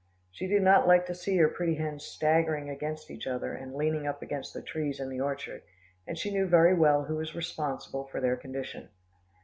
She did not like to see her pretty hens staggering against each other, and leaning up against the trees in the orchard, and she knew very well who was responsible for their condition.